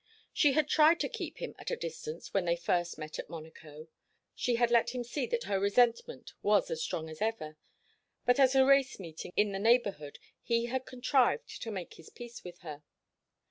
She had tried to keep him at a distance when they first met at Monaco; she had let him see that her resentment was as strong as ever; but at a race meeting in the neighbourhood he had contrived to make his peace with her.